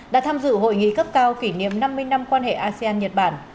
đã tham dự hội nghị cấp cao kỷ niệm năm mươi năm quan hệ asean nhật bản